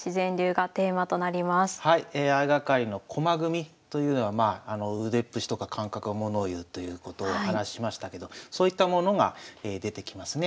相掛かりの駒組みというのは腕っぷしとか感覚がものをいうということをお話ししましたけどそういったものが出てきますね。